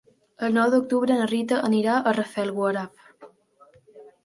El nou d'octubre na Rita anirà a Rafelguaraf.